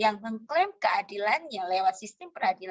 yang mengklaim keadilannya lewat sistem peradilan